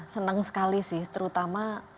senang sekali sih terutama